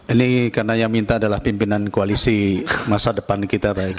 ini karena yang minta adalah pimpinan koalisi masa depan kita